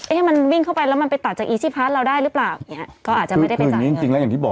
เอ๊ะมันวิ่งเข้าไปแล้วมันไปตัดจากเราได้หรือเปล่าเนี้ยก็อาจจะไม่ได้ไปจัดเงินคืออย่างนี้จริงจริงแล้วอย่างที่บอก